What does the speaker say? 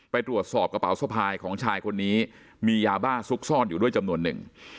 ไปตรวจสอบกระเป๋าสะพายของชายคนนี้มียาบ้าซุกซ่อนอยู่ด้วยจำนวนหนึ่ง